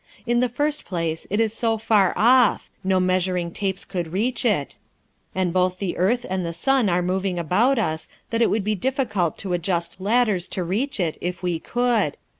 In the first place, it is so far off. No measuring tapes could reach it; and both the earth and the sun are moving about us, that it would be difficult to adjust ladders to reach it, if we could.